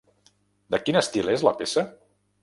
De quin estil és la peça?